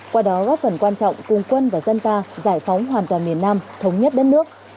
qua đó góp phần quan trọng cùng quân và dân ta giải phóng hoàn toàn miền nam thống nhất đất nước